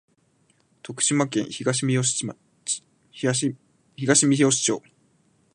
徳島県東みよし町